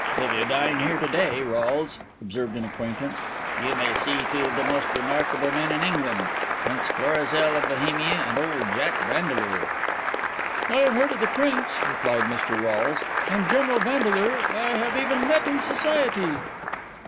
"If you dine here to day, Rolles," observed an acquaintance, "you may see two of the most remarkable men in England—Prince Florizel of Bohemia, and old Jack Vandeleur." "I have heard of the Prince," replied Mr. Rolles; "and General Vandeleur I have even met in society."